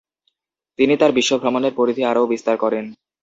তিনি তার বিশ্ব ভ্রমণের পরিধি আরও বিস্তার করেন।